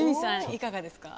いかがですか？